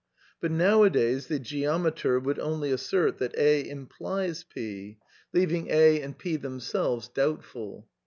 But nowadays the geometer would only assert that A implies P, leaving A and THE NEW EEALISM 168 P themselves doubtful.